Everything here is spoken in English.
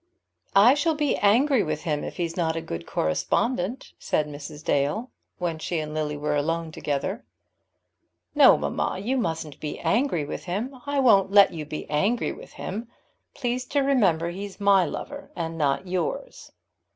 "I shall be angry with him if he's not a good correspondent," said Mrs. Dale, when she and Lily were alone together. "No, mamma, you mustn't be angry with him. I won't let you be angry with him. Please to remember he's my lover and not yours."